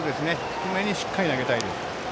低めにしっかり投げたいです。